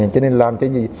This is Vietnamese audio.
cho nên làm cái gì